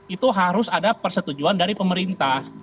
itu harus ada persetujuan dari pemerintah